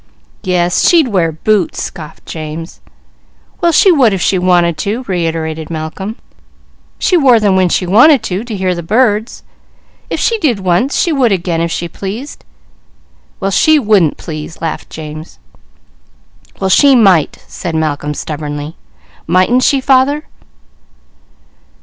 "Yes, she'd wear boots!" scoffed James. "Well she would if she wanted to," reiterated Malcolm. "She wore them when she wanted to hear the birds; if she did once, she would again, if she pleased." "Well she wouldn't please," laughed James. "Well she might," said Malcolm stubbornly. "Mightn't she, father?"